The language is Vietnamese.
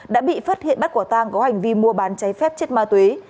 đã bị phát hiện bắt quả tang có hành vi mua bán cháy phép chất ma túy